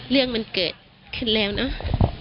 เรื่องมันเกิดขึ้นแล้วเนาะ